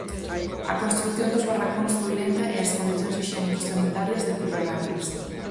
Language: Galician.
A construción dos barracóns foi lenta e as condicións hixiénico-sanitarias, deplorables.